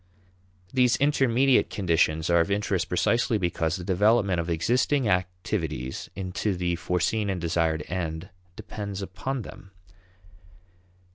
These intermediate conditions are of interest precisely because the development of existing activities into the foreseen and desired end depends upon them.